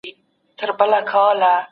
تاسي د مشرانو عزت کوئ.